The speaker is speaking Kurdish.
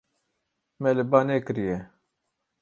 Me li ba nekiriye.